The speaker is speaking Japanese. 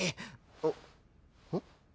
あっん？